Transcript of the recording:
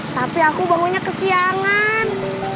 tapi aku bangunya kesiangan